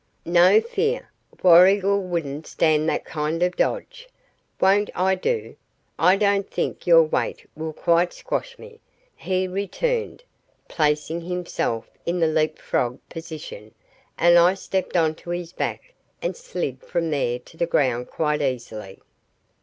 "No fear! Warrigal wouldn't stand that kind of dodge. Won't I do? I don't think your weight will quite squash me," he returned, placing himself in leap frog position, and I stepped on to his back and slid from there to the ground quite easily.